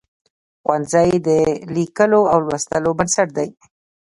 ښوونځی د لیکلو او لوستلو بنسټ دی.